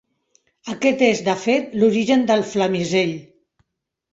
Aquest és, de fet, l'origen del Flamisell.